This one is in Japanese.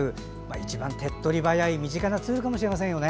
一番手っ取り早い身近なツールかもしれませんね。